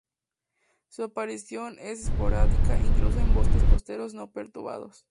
Su aparición es esporádica incluso en bosques costeros no perturbados.